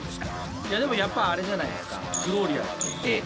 いやでもやっぱあれじゃないですかフローリアーズ。